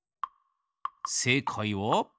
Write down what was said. せいかいは。